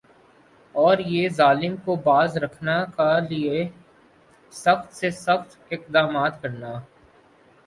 اور یِہ ظالم کو باز رکھنا کا لئے سخت سے سخت اقدامات کرنا